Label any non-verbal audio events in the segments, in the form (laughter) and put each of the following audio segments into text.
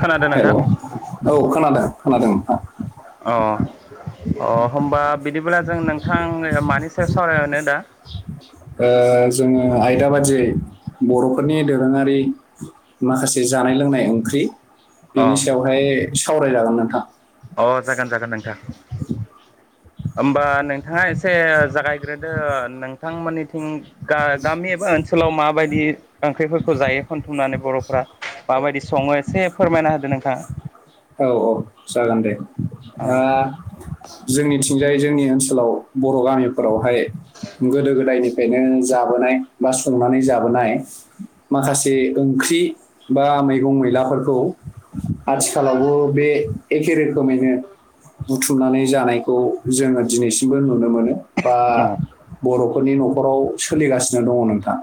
खोनादों हेल' नोंथां औ खोनादों, खोनादों नोंथां। अ अ होमबा बिदिब्ला जों नोंथां मानि सायाव सावरायनो दा ओ जोङो आयदा बादियै बर'फोरनि दोरोङारि माखासे जानाय-लोंनाय ओंख्रि अ बेनि सायावहाय सावरायजागोन नोंथां। अ जागोन-जागोन नोंथां। होमबा नोंथाङा एसे जागायग्रोदो नोंथांमोननिथिं गा-गामि एबा ओनसोल आव माबायदि ओंख्रिफोरखौ जायो खनथुमनानै बर'फोरा माबायदि सङो एसे फोरमायना होदो नोंथाङा। औ औ जागोन दे औ ओ जोंनिथिंजाय जों नि ओनसोलाव बर' गामिफोरावहाय गोदो-गोदायनि फ्रायनो जाबोनाय बा संनानै जाबोनाय माखासे ओंख्रि बा मैगं-मैलाफोरखौ आथिखालावबो बे एखे रो खोमैनो बुथुमनानै जानायखौ जोङो दिनैसिमबो नुनो मोनो। बा औ बर'फोरनि न'खराव सोलिगासिनो दङ' नोंथां।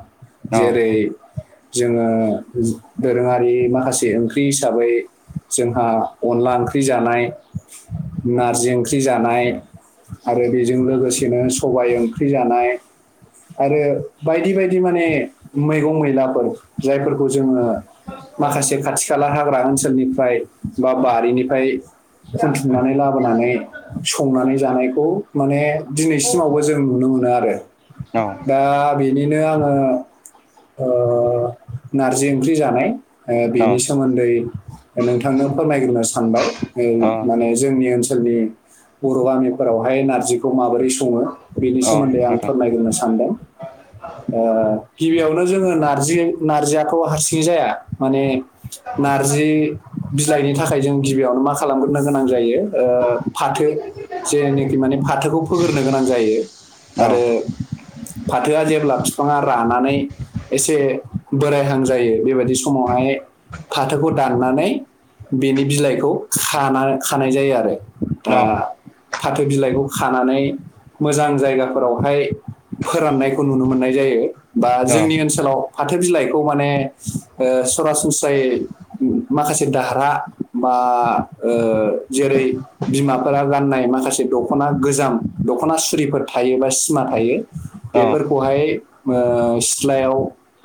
औ जेरै - जोङो दोरोङारि माखासे ओंख्रि हिसाबै जोंहा अनला ओंख्रि जानाय, नारजि ओंख्रि जानाय आरो बेजों लोगोसेनो सबाय ओंख्रि जानाय आरो बायदि बायदि माने मैगं-मैलाफोर जायफोरखौ जोङो माखासे खाथि खाला हाग्रा ओनसोलनिफ्राय बा बारिनिफ्राय खुन्थुमनानै लाबोनानै संनानै जानायखौ माने दिनैसिमावबो जों नुनो मो नो आरो दा बेनिनो आङो ओ नारजि ओंख्रि जानाय ओ औ बेनि सोमोन्दै नों थांनो फोरमायग्रोनो सानबाय औ माने जोंनि ओनसोल नि बर' गामिफोरावहाय नारजिखौ माबोरै स ङो बेनि औ सोमोन्दै आं नोंथां फोरमायग्रोनो सानदों ओ गिबियावनो जोङो नारजि नारजियाखौ हारसिङै जाया माने नारजि बिलाइनि थाखाय जों गिबियावनो मा खालामग्रोनो गोनां जायो ओ फाथो जेरनोखि माने फाथोखौ फोगोरनो गोनां जायो। औ आरो फाथोआ जेब्ला बिफाङा रानानै एसे बोरायहां जायो बेबायदि समावहाय फाथोखौ दाननानै बेनि बिलाइखौ खाना खानाय जायो आरो दा औ फाथो बिलाइखौ खानानै मोजां जायगाफोरावहाय फोराननायखौ नुनो मोननाय जायो बा जोंनि ओनसोलाव फाथो बिलाइखौ माने ओ सरासनस्रायै माखासे दारहा बा ओ जेरै बिमाफोरा गाननाय माखासे दख'ना गोजाम दख'ना सुरिफोर थायो बा सिमा थायो बेफोरखौहाय ओ सिथ्लायाव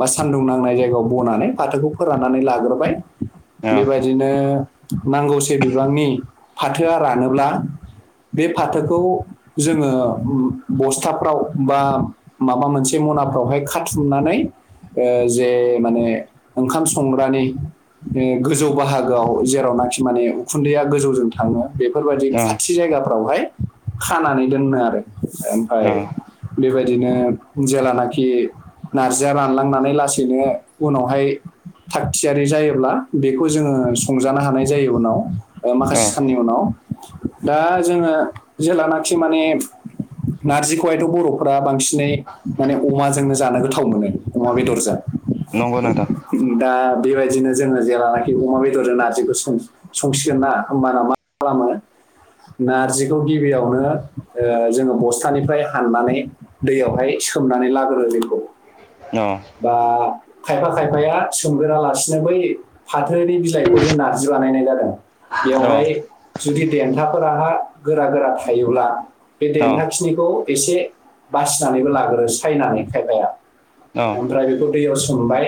बा सान्दुं नांनाय जायगायाव बनानै फाथोखौ फोराननानै लाग्रोबाय। औ बेबायदिनो नांगौसै बिबांनि फाथोआ रानोब्ला बे फाथोखौ जोङो बस्थाफ्राव बा माबा मोनसे खनाफ्रावहाय खाथुमनानै ओ जे माने ओंखाम संग्रानि ओ गोजौ बाहागोआव जेरावनाखि माने उखुन्दैया गोजौजों थाङो बेफोरबायदि औ खाथि जायगा फोरावहाय खानानै दोननो आरो ओमफाय बेबायदिनो जेलानाखि नारजिया रानलांनानै लासैनो उनावहाय थाखाग थियारि जायोब्ला बेखौ जोङो संजानो हानाय जायो उनाव ओ माखासे साननि उनाव। दा जोङो जलेनाखि माने नारजिखौहायथ' बर'फ्रा बांसिनै माने अमाजोंनो जानो गोथाव मोनो अमा बेदरजों नंगौ नोंथां। दा बेबायदिनो जोङो जेराव नाखि अमा बेदरजों नारजिखौ सं संसिगोन ना होमबाना मा खालामो नारजिखौ गिबियावनो ओ जोङो बस्थानिफ्राय हाननानै दैयावहाय सोमनानै लाग्रो बेखौ। औ बा खायफा खायफाया सोमगोरालासिनो बै फाथोनि बिलाइखौ जे नारजि बानायनाय जादों औ बेवहाय जुदि देन्थाफोराहा गोरा गोरा थायोब्ला बे देन्थााखिनिखौ एसे बासिनानैबो लाग्रो सायनानै खायफाया ओमफ्राय बेखौ दैयाव सोमबाय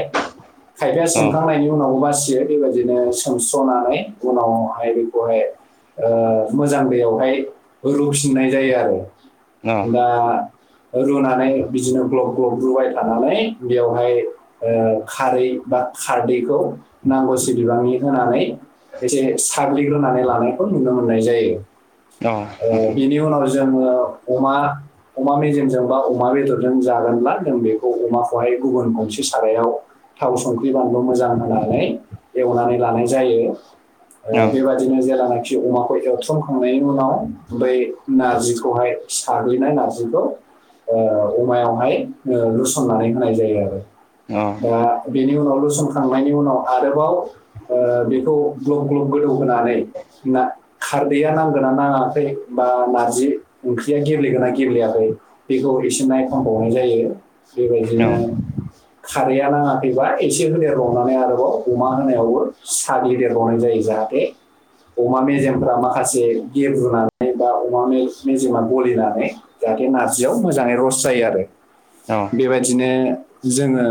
खायफाया सोमखांनायनि उनावबा बि बेबायदिनो सोमस्र'नानै उनावहाय बेखौहाय ओ मोजां दैयावहाय रुफिननाय जायो आरो दा रुनानै बिदिनो ग्लब ग्लब रुबाय थानानै बेवहाय ओ खारै बा खारदैखौ नांगौसे बिबांनि होनानै एसे साग्लिग्रोनानै लानायखौ नुनो मोननाय जायो। ओ बिनि उनाव जोङो अमा अमा मेजेमजों बा अमा बेदरजों जागोनब्ला जों बेखौ अमाखौहाय गुबुन गंसे सारायाव थाव संख्रि बानलु मोजां होनानै एवनानै लानाय जायो ओ बेबायदिनो जेलाना खि अमाखौ एवथ्रुमखांनायनि उनावहाय बै नार्जिखौहाय साग्लिनाय नारजिखौ। ओ अमायावहाय ओ लुसननानै होनाय जायो आरो। दा बेनि उनाव लुसनखांनायनि उनाव आरोबाव ओ बेखौ ग्लब ग्लब गोदौ होनानै खारदैया नांगोना नाङाखै। ओ नारजि ओंख्रिया गेब्लेगोना गेब्लेयाखै बेखौ एसे नायफामबावनाय जायो। बेबायदिनो खारैया नाङाखैबा एसे होदेरबावनानै आरोबाव। अमा होनायावबो साग्लिदेरबावनाय जायो जाहाथे अमा मेजेमफ्रा माखासे गेब्रुनानै बा अमा मेजेमा गलिनानै जाहाथे नारजियाव मोजाङै रस जायो आरो। बेबायदिनो जोङो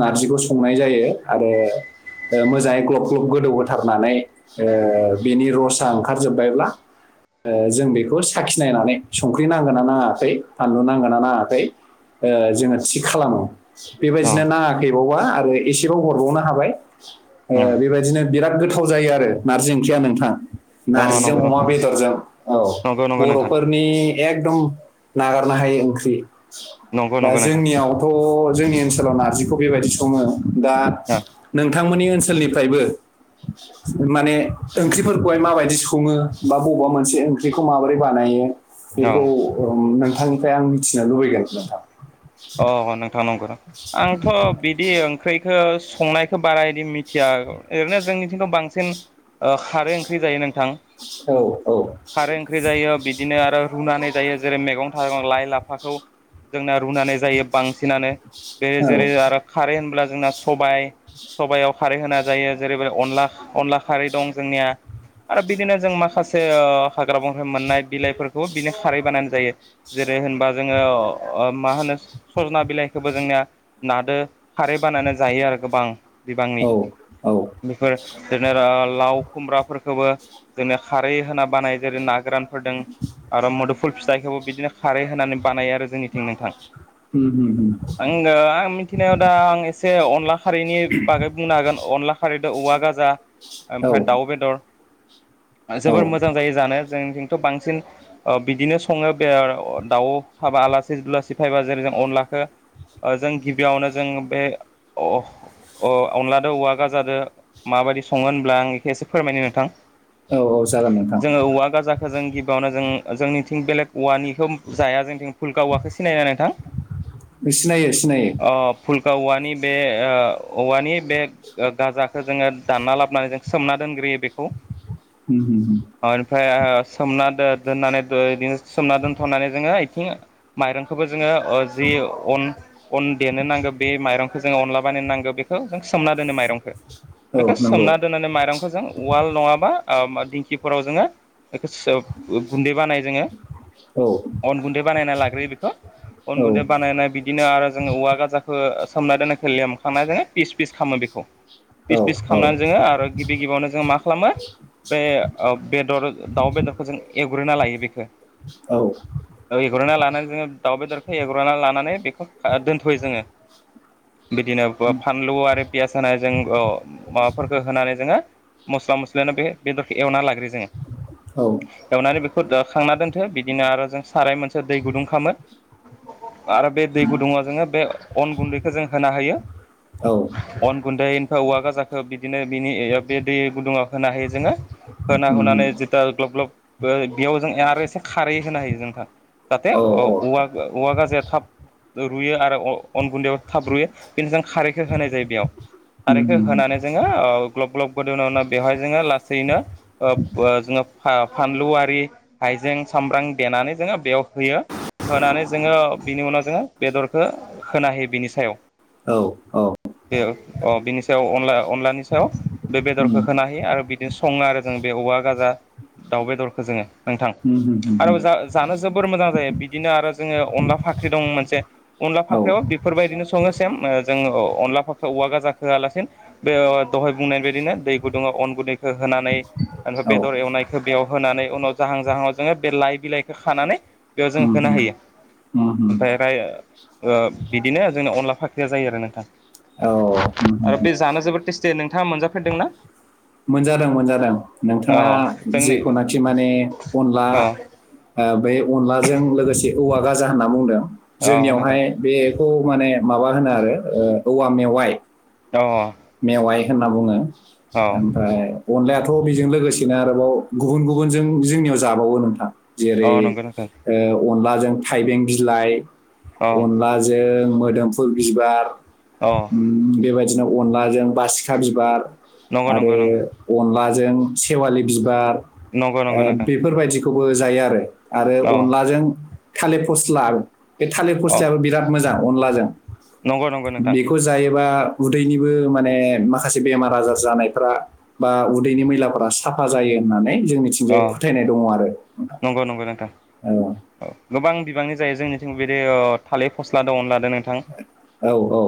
नारजिखौ संनाय जायो आरो ओ मोजाङै ग्लब ग्लब गोदौ होथारनानै ओ बेनि रसा ओंखारजोब्बायब्ला ओ जों बेखौ साखिनायनानै संख्रि नांगोनना नाङाखै फानलु नांगोनना नाङाखै ओ जोङो थिग खालामो बेबायदिनो नाङाखैबावबा आरो एसेबाव हरबावनो हाबाय। ओ बेबायदिनो बिराद गोथाव जायो आरो नारजि ओंख्रिया नोंथां। नारजिजों अमा बेदरजों औ नंगौ नोंथां नंगौ नंगौ नोंथां बर'फोरनि। एकदम नागारनो हायै ओंख्रि। नंगौ नंगौ नोंथां। थ जोंनि ओनसोलाव नारजिखौ बेबायदि सङो दा नोंथांमोननि ओनसोलनिफ्रायबो माने ओंख्रिफोरखौहाय माबायदि सङो बा बबेबा मोनसे ओंख्रिखौ माबोरै बानायो औ बेखौ नोंथांनिफ्राय आं मिथिनो लुबैदों नोंथां। अ नोंथां नंगौ आंथ बिदि ओंख्रिखौ संनायखौ बारा इदि मिथिया ओरैनो जोंनिथिंथ बांसिन ओ खारै ओंख्रि जायो नोंथां। औ औ खारै ओंख्रि जायो बिदिनो आरो रुनानै जायो। जेरै मैगं थाइगं लाइ लाफाखौ जोंना रुनानै जायो बांसिनानो बे औ जेरै आरो खारै होनब्ला जोंना सबाय। सबायाव खारै होना जायो जेरैबायदि अनला अनला खारै दं जोंनिया। आरो बिदिनो जों माखासे हाग्रा बंगाइ मोननाय बिलाइफोरखौबो बिनि खारै बानायनानै जायो जे रै होनबा जोङो मा होनो सजना बिलाइखौबो जोंनिया नादो खारै बानायनानै जायो आरो गोबां। बिबांनि औ औ उम, बेफोर जेनेरेल लाव खुमब्राफोरखौबो जोंनि खारै होना बानाय जेरै ना गोरानफोरदों आरो मद फुल फिथाइखौबो बिदिनो खारै होनानै बानायो आरो जोंनिथिं नोंथां। (unintelligible) (unintelligible) आं मिथिनायाव दा आं एसे अनला खारैनि बागै बुंनो हागोन अनला खारै औवा गाजा औ ओमफ्राय दाउ बेदर औ जोबोर मोजां जायो जानो जों बांसिन ओ बिदिनो सङो बे दाउ थाबा आलासि (unintelligible) फैबा जेरै अनलाखो ओ जों गिबियावनो जों बे अ अ अनलादो औवा गाजादो माबायदि सङो होनब्ला आं बेखौ एसे फोरमायनो नोंथां। औ औ जागोन नोंथां जोङो औवा गाजाखौ जों गिबियावनो जों जोंनिथिं बेलेग औवानिखौ जाया जोंनिथिं भुलका औवाखौ सिनाया नोंथां। सिनायो सिनायो। फुल्खा औवानि बे ओ औवानि बे गाजाखौ जोङो दानना लाबोनानै जों सोमना दोन ग्रोयो बेखौ। उम उम ओमफ्राय सोमना दो-दोननानै बिदिनो सोमना दोन्थनानै जोङो माइरंखौबो जोङो अ जि अन अन देनो नांगौ बे माइरंखौ जोङो अनला बानायनो नांगौ बेखौ जों सोमना दोनो माइरंखौ। औ बेखौ नंगौ सोमना दोन्नानै माइरंखौ जों उवाल नङाबा अ दिंखिफोराव जोङो बेखौ सुब अ गुन्दै बानायो जोङो। औ अन गुन्दै बानायना लाग्रोयो बेखौ अन गुन्दै बानायनाय बिदिनो आरो जोङो औवा गाजाखौ सोमनाय दोननायखौ लेमखांनाय जोङो फिस फिस खालामो बेखौ औ पिस पिस औ खालामनानै जोङो आरो गिबि गिबियावनो जोङो मा खालामो बे अ बेदर दाउ बेदरखौ जों एवग्रोना लायो बेखौ औ एवग्रोना लानानै जोङो दाउबेदरखौ एव लानानै बेखौ खा दोनथ'यो जोङो बिदिनो फानलु आरो पियास होनाय जों अ माबाफोरखौ होनानै जोङो मस्ला मस्लियानो बे बेदरखौ एवना लाग्रो जोङो औ एवनानै बेखौ खांना दोनथो बिदिनो आरो जों साराय मोनसे दै गुदुं खालामो आरो बे दै गुदुङाव जोङो बे अन गुन्दैखौ जों होना होयो औ अन गुन्दै औवा गाजाखौ बिदिनो बिनि बे दै गुदुङाव होनो हायो जोङो होना उम होनानै जिता ग्लब ग्लब बेयाव जों आरो एसे खारै होनो हायो नोंथां जाहाथे औ औ औवा औवा गाजाया थाब रुयो आरो अ अन गुन्दैयाव थाब रैयो बेनि जों खारैखौ होनाय जायो बेयाव उम खारैख उम होनानै जोङो ग्लब ग्लब गोदौवनो बेवहाय जोङो लासैनो जोङो अब जोङो बा फानलु आदि हाइजें सामब्राम देनानै जोङो बेयाव होयो होनानै जोङो जोङो बिनि उनाव जोङो बेदरखौ होना होयो बिनि सायाव औ औ बे अ बिनि सायाव अनला अनलानि सायाव बे उम बेदरखौ उम होना हायो आरो बिदिनो सङो आरो जों बे औवा गाजा दाउ बेदरखौ जोङो नोंथां उम आरो जा जानो जोबोर मोजां जायो बिदिनो आरो अ अनला फाख्रि दं मोनसे अनला औ फाख्रियाबो बेफोरबायदिनो सेम अ अनलाख औवा गााजााख होआलासिनो बे दहाय बुंनाय बायदिनो दै गुदुङा अन गुदै हो होनानै ओफ्राय बेदर एवनायखौ बेयाव होनानै उनाव जाहां जाहां जोङो बे लाइ बिलाइखौ खानानै बेयाव जों उम होनो उम हायो उम औ उम उम ओमफ्राय राय अ बिदिनो जोंना अनला फाख्रिया जायो आरो नोंथां आरो बे जानो जोबोद टेस्टि नोंथाङा मोनजाफेरदोंना? मोनजादों मोनजादों अ नोंथाङा जोंनि जिखुनाखि माने अनला अ अ बे अनलाजों लोगोसे औवा गाजा होनना बुंदों अ नोंथां जोंनियावहाय बे खौ माने माबा होनो आरो औवा मेवाइ अ मेवाइ होनना बुङो औ ओमफ्राय अनलायाथ थ बिजों लोगोसेनो आरोबाव गुबुन गुबुनजों जोंनियाव जाबावो नोंथां औ जेरै नंगौ नोंथां अनलाजों अ थाइबें बिलाइ अ अनलाजों मोदोमफु बिबार अ बेबायदिनो अनलाजों बासिखा बिबार नंगौ नंगौ नंगौ आरो अनलाजों सेवालि बिबार नंगौ नंगौ ओ नोंथां बेफोरबायदिखौ खौबो जायो आरो आरो औ अनलाजों थालिर फस्ला बे थालिर अ फस्लायाबो बिराद मोजां अनलाजों नंगौ नंगौ नोंथां बेखौ जायोबा उदैनिबो माने माखासे बेमार आजार जानाय फ्रा बा उदैनि मैलाफोरा साफा जायो होननानै जोंनिथिंजाय अ फोथायनाय दङ आरो नंगौ नंगौ नोंथां गोबां बिबांनि जायो जोंनिथिंबो बेदि थालिर फस्ला दं अनला दं नोंथां औ औ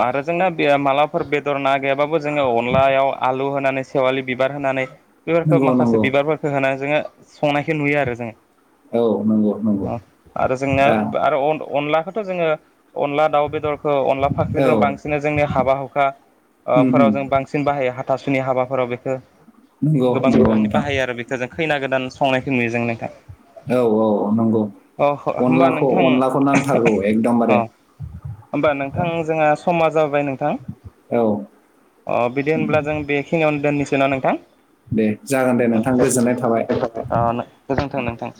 आरो जोंना बे मालाबफोर बेदर ना गैयाबाबो जोङो अनलायाव आलु होनानै सेवालि बिबार होनानै बेफोरखौ नंगौ माखासे नंगौ बिबारफोरखौ होनानै जोङो संनायखौ नुयो आरो जोङो औ नंगौ नंगौ अ आरो जोंना दा आरो अन अनलाखौथ' जोङो अनला दाउ बेदरखौ अनला औ फाख्रिजों बांसिनै जोंनि हाबा हुखा ओ उम उम फोराव जों बांसिन बाहायो हाथासुनि हाबाफोराव बेखौ नंगौ गोबां नंगौ गोबांनि नोंथां बाहायो आरो बेखौ खैना गोदान संनायखौ नुयो जों नोंथां औ औ नंगौ अ होमबा अनलाखौ नोंथां अनलाखौ नांथारगौ अ एकदमबारे होमबा नोंथां जोंहा समा जाबाय नोंथां औ अ बिदि होनब्ला जों बेखिनियावनो दोननिसोन ना नोंथां? दे जागोन दे नोंथां। गोजोननाय थाबाय गोजोनथों नोंथां।